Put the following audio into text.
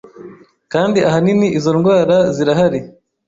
kandi ahanini izo ndwara zirahari